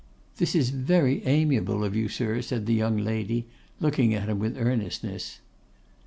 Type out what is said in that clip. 'This is very amiable of you, sir,' said the young lady, looking at him with earnestness.